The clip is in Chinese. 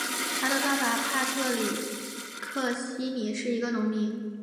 他的爸爸帕特里克希尼是一个农民。